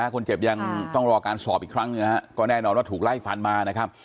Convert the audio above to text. คนเจ็บยังต้องรอการสอบอีกครั้งหนึ่งนะฮะก็แน่นอนว่าถูกไล่ฟันมานะครับ